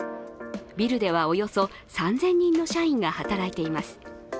ビルではおよそ３０００人の社員が働いています。